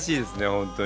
ホントに。